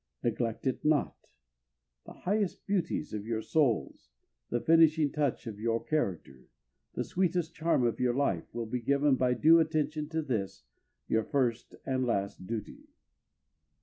Neglect it not; the highest beauties of your souls, the finishing touch of your character, the sweetest charm of your life, will be given by due attention to this, your first and last duty.